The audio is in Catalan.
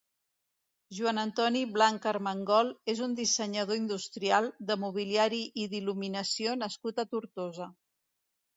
Joan Antoni Blanc Armengol és un dissenyador industrial, de mobiliari i d'il·luminació nascut a Tortosa.